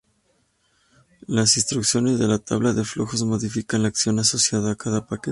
Las instrucciones de la tabla de flujos modifican la acción asociada a cada paquete.